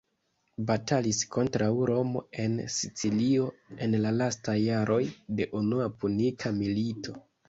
Batalis kontraŭ Romo en Sicilio en la lastaj jaroj de Unua Punika Milito.